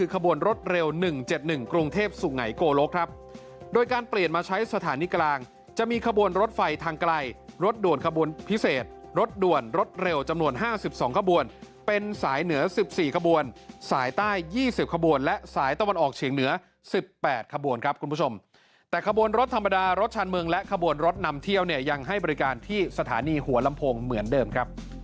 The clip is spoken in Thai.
ขบวนรถเร็ว๑๗๑กรุงเทพสุไงโกลกครับโดยการเปลี่ยนมาใช้สถานีกลางจะมีขบวนรถไฟทางไกลรถด่วนขบวนพิเศษรถด่วนรถเร็วจำนวน๕๒ขบวนเป็นสายเหนือ๑๔ขบวนสายใต้๒๐ขบวนและสายตะวันออกเฉียงเหนือ๑๘ขบวนครับคุณผู้ชมแต่ขบวนรถธรรมดารถชาญเมืองและขบวนรถนำเที่ยวเนี่ยยังให้บริการที่สถานีหัวลำโพงเหมือนเดิมครับ